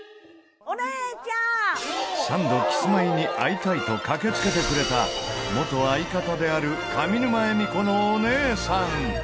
サンドキスマイに会いたいと駆け付けてくれた元相方である上沼恵美子のお姉さん。